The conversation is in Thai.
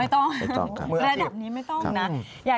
ระดับนี้ไม่ต้องนะ